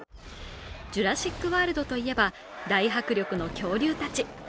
「ジュラシック・ワールド」といえば大迫力の恐竜たち。